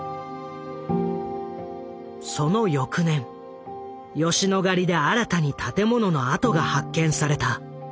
その翌年吉野ヶ里で新たに建物の跡が発見された。